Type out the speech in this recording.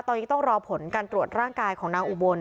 ตอนนี้ต้องรอผลการตรวจร่างกายของนางอุบล